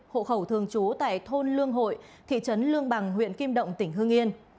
hộ khẩu thường trú tại thôn lương hội thị trấn lương bằng huyện kim động tỉnh hương yên